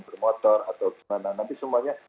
bermotor atau kemana mana nanti semuanya